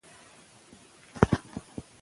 هغه د خپلو ځواکونو لارښوونه وکړه.